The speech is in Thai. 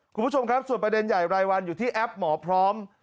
คุณผู้ชมครับส่วนประเด็นใหญ่รายวันอยู่ที่แอปหมอพร้อม